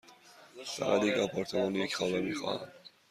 فقط یک آپارتمان یک خوابه می خواهم.